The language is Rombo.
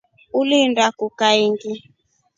Uliinda kuu kaindi?